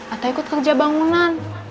atau ikut kerja bangunan